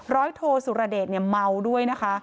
ร้อยโทสุรเดชเมาด้วยนะคะ